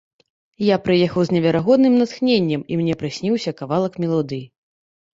Я прыехаў з неверагодным натхненнем, і мне прысніўся кавалак мелодыі.